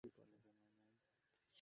আমরা আপনার পিছনে আছি।